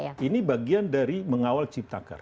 betul ini bagian dari mengawal ciptaker